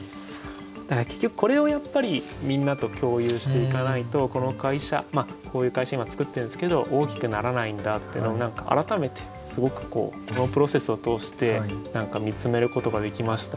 だから結局これをやっぱりみんなと共有していかないとこの会社こういう会社今作ってるんですけど大きくならないんだっていうのを改めてすごくこのプロセスを通して見つめることができました。